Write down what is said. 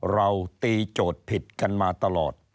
เราตีโจทย์ผิดกันมาตลอด